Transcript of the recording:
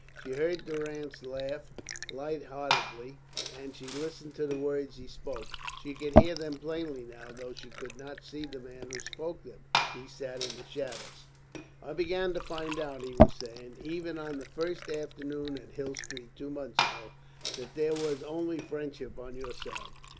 She heard Durrance laugh light heartedly, and she listened to the words he spoke. She could hear them plainly now, though she could not see the man who spoke them. He sat in the shadows. "I began to find out," he was saying, "even on that first afternoon at Hill Street two months ago, that there was only friendship on your side.